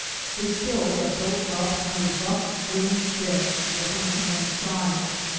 The stills are built up under rough wooden sheds, open on one side.